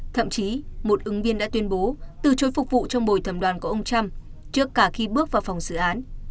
thậm chí một ứng viên đã tuyên bố từ chối phục vụ trong bồi thẩm đoàn của ông trump trước cả khi bước vào phòng xử án